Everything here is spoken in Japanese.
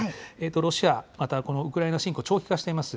ロシア、ウクライナ侵攻は長期化しています。